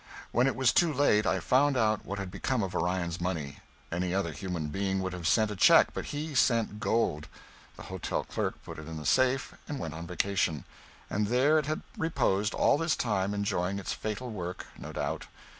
When it was too late, I found out what had become of Orion's money. Any other human being would have sent a check, but he sent gold. The hotel clerk put it in the safe and went on vacation, and there it had reposed all this time enjoying its fatal work, no doubt.